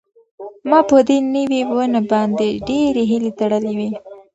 ما په دې نوې ونې باندې ډېرې هیلې تړلې وې.